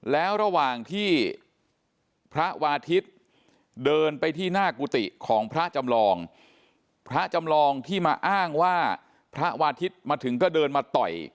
แล้วระหว่างที่พระวาทิศเดินไปที่หน้ากุฏิของพระจำลองพระจำลองที่มาอ้างว่าพระวาทิศมาถึงก็เดินมาต่อย